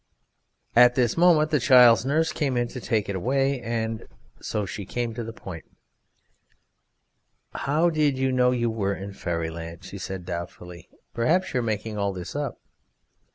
At this moment the child's nurse came in to take it away, so she came to the point: "How did you know you were in Fairyland?' she said doubtfully." Perhaps you are making all this up."